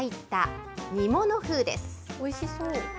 おいしそう。